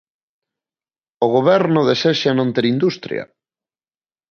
O goberno desexa non ter industria.